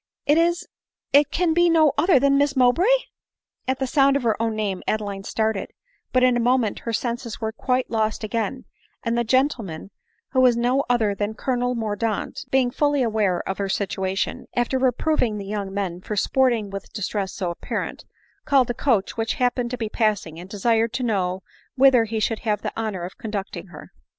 it is— it can be no other than Miss Mowbray." At the sound of her own name Adeline started ; but in a moment her senses were quite lost again ; and the gen tleman, who was no other than Colonel Mordaunt, being fully aware of her situation, after reproving the young men for sporting with distress so apparent, called a coach which happened to be passing, and desired to know whither he should have the honor of conducting her.